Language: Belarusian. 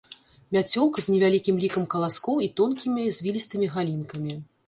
Мяцёлка з невялікім лікам каласкоў і тонкімі звілістымі галінкамі.